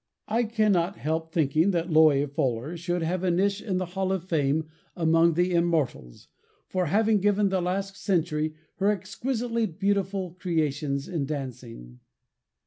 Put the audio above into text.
I cannot help thinking that Loie Fuller should have a niche in the hall of fame, among the "Immortals," for having given the last century her exquisitely beautiful creations in dancing.